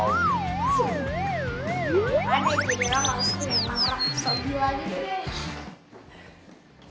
so gila gitu deh